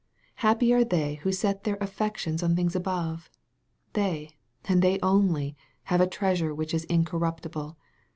Happy are they who set their affections on things above ! They, and they only, have a treasure which is incorruptible.